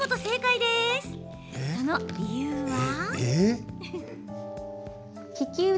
その理由は。